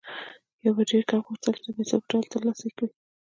یا به یې ډېر کم غوښتل چې د پیسو په ډول یې ترلاسه کړي